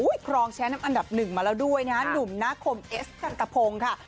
ครองแชมป์อันดับหนึ่งมาแล้วด้วยนะหนุ่มนาคมเอสกันตะพงค่ะ